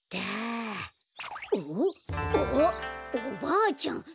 あっおばあちゃん。